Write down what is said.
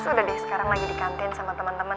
terus udah deh sekarang lagi di kantin sama temen temen